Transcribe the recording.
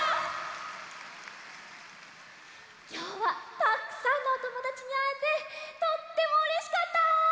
きょうはたくさんのおともだちにあえてとってもうれしかった！